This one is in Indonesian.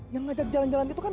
yang ngajak jalan jalan itu kan